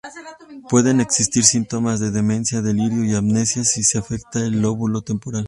Pueden existir síntomas de demencia, delirio y amnesia si se afecta el lóbulo temporal.